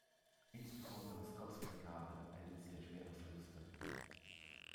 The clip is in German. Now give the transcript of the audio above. Insbesondere Scotts Brigade erlitt sehr schwere Verluste.